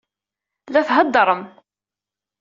La theddṛem.